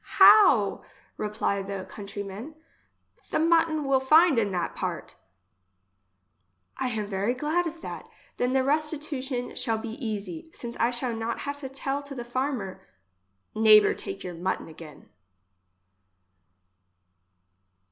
How ! repply the country man, the mutton will find in that part ? I am very glad of that ; then the restitution shall be easy, since I shall not have to tell to the farm er :" Neighbour take your mutton again.